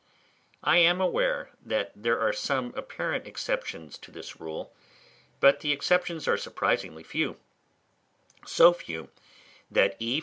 I am aware that there are some apparent exceptions to this rule, but the exceptions are surprisingly few, so few that E.